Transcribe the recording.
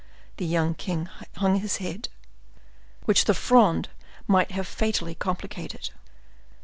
—the young king hung his head—"which the Fronde might have fatally complicated.